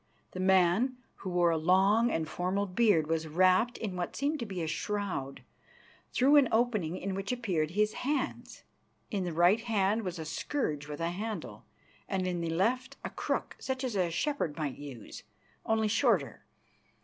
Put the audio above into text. The man, who wore a long and formal beard, was wrapped in what seemed to be a shroud, through an opening in which appeared his hands. In the right hand was a scourge with a handle, and in the left a crook such as a shepherd might use, only shorter.